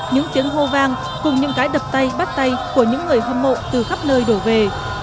những tiếng hô vang cùng những cái đập tay bắt tay của những người hâm mộ từ khắp nơi đổ về